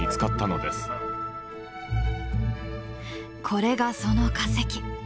これがその化石。